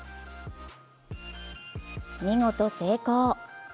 見事成功。